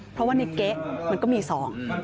เพราะว่าในเก๊ะมันก็มีซอง